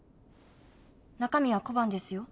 中身は小判ですよ。